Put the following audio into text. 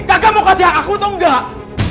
kak kamu kasih hak aku atau enggak